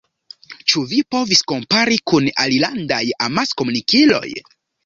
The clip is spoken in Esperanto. Ĉu vi povis kompari kun alilandaj amaskomunikiloj?